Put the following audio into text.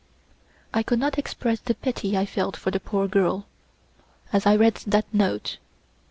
I could not express the pity I felt for the poor girl, as I read that note.